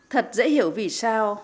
thật dễ hiểu vì sao